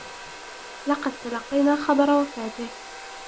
لقد تلقينا خبر وفاته.